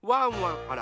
あら？